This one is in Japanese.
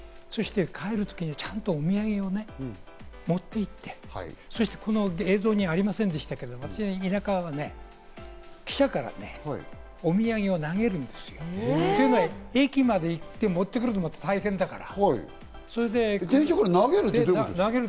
帰る時にちゃんとお土産をね、持っていって、そしてこの映像にありませんでしたけれど、私の田舎はね、下からね、お土産を投げるんですよ。というのは駅まで行って持ってくるのが大変だから。